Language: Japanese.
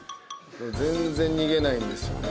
全然逃げないんですよね。